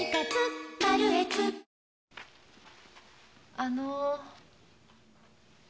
あの。